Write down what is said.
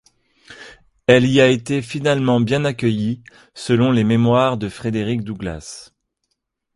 Elle y a été finalement bien accueillie, selon les mémoires de Frederick Douglass.